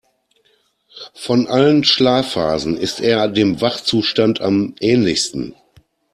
Von allen Schlafphasen ist er dem Wachzustand am ähnlichsten.